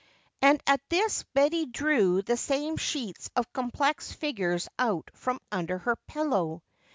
And at this Betty drew the same sheets of complex figures out from under her pillow.